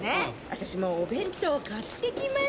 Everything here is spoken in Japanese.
私もうお弁当を買ってきました。